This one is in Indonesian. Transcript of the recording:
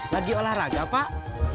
lagi olahraga pak